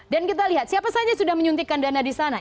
dan kita lihat siapa saja sudah menyuntikkan dana di sana